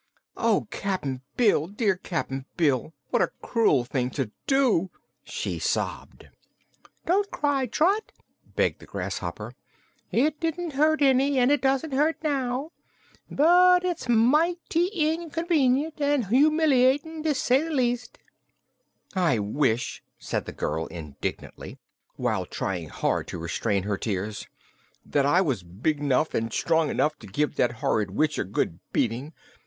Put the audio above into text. "Oh, Cap'n Bill dear Cap'n Bill! What a cruel thing to do!" she sobbed. "Don't cry, Trot," begged the grasshopper. "It didn't hurt any, and it doesn't hurt now. But it's mighty inconvenient an' humiliatin', to say the least." "I wish," said the girl indignantly, while trying hard to restrain her tears, "that I was big 'nough an' strong 'nough to give that horrid witch a good beating.